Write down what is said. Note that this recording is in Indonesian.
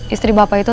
istri bapak itu